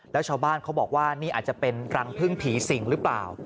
แล้วชาวบ้านเขาบอกว่านี่อาจจะเป็นรังพึ่งผีสิงหรือเปล่า